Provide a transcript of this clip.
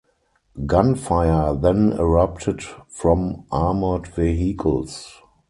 Gunfire then erupted from armoured vehicles.